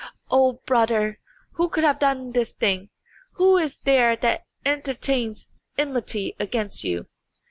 "Oh, brother! who could have done this thing? Who is there that entertains enmity against you?"